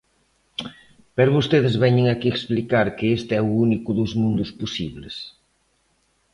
Pero vostedes veñen aquí explicar que este é o único dos mundos posibles.